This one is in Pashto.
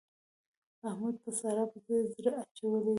احمد په سارا پسې زړه اچولی دی.